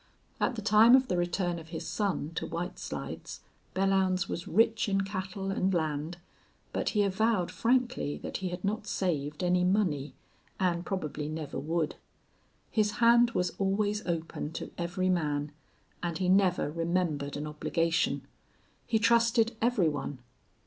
At the time of the return of his son to White Slides Belllounds was rich in cattle and land, but he avowed frankly that he had not saved any money, and probably never would. His hand was always open to every man and he never remembered an obligation. He trusted every one.